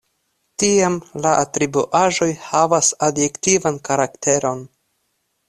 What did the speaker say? Tiam la atribuaĵoj havas adjektivan karakteron.